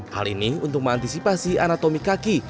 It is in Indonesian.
hal ini untuk mengantisipasi anatomi kaki